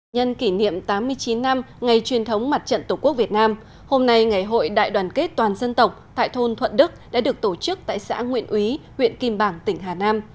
nhân kỷ niệm tám mươi chín năm ngày truyền thống mặt trận tổ quốc việt nam hôm nay ngày hội đại đoàn kết toàn dân tộc tại thôn thuận đức đã được tổ chức tại xã nguyện úy huyện kim bảng tỉnh hà nam